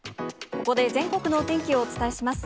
ここで全国のお天気をお伝えします。